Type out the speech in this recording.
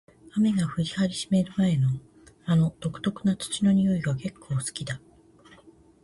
雨が降り始める前の、あの独特な土の匂いが結構好きだ。